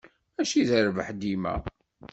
Mačči d rrbeḥ dima.